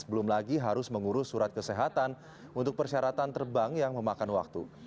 belum lagi harus mengurus surat kesehatan untuk persyaratan terbang yang memakan waktu